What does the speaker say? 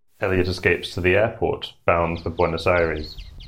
Eliot escapes to the airport, bound for Buenos Aires.